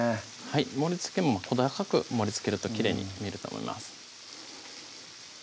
盛りつけも小高く盛りつけるときれいに見えると思います